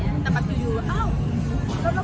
แต่ว่าถ้าพรุ่งนี้ก็ดูแลรการที่ป่อยโดยละ